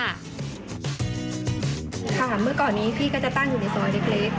ค่ะเมื่อก่อนนี้พี่ก็จะตั้งอยู่ในซอยเล็ก